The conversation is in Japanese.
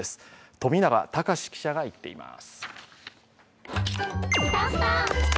富永高史記者が行っています。